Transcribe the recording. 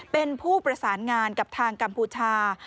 เป็นผู้ประสานงานกับทางกัมพูชา